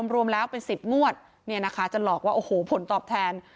รวมแล้วเป็น๑๐งวดจะหลอกว่าโอ้โหผลตอบแทน